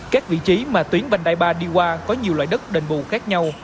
các vị trí mà tuyến vành đai ba đi qua có nhiều loại đất đền bù khác nhau